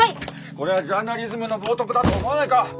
これはジャーナリズムの冒涜だと思わないか！？